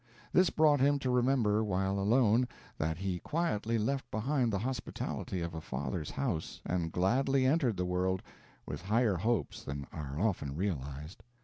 This brought him to remember while alone, that he quietly left behind the hospitality of a father's house, and gladly entered the world, with higher hopes than are often realized.